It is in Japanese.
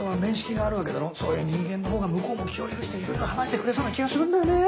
そういう人間のほうが向こうも気を許していろいろ話してくれそうな気がするんだよね。